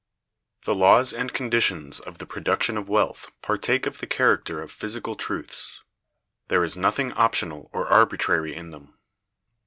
The laws and conditions of the Production of Wealth partake of the character of physical truths. There is nothing optional or arbitrary in them.